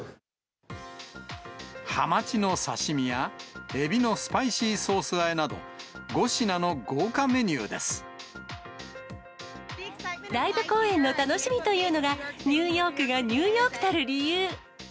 ハマチの刺身や、エビのスパイシーソース和えなど、５品の豪ライブ公演の楽しみというのが、ニューヨークがニューヨークたる理由。